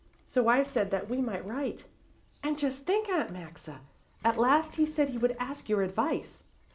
So I said that we might write, and just think, Aunt Maxa! at last he said he would ask your advice."